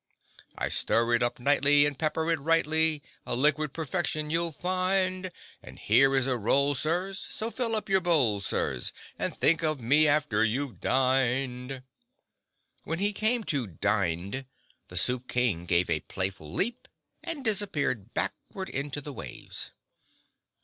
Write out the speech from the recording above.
I stir it up nightly, and pepper it rightly— A liquid perfection you'll find. And here is a roll, sirs, So fill up your bowl, sirs, And think of me after you've dined." When he came to "dined," the Soup King gave a playful leap and disappeared backward into the waves.